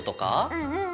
うんうん。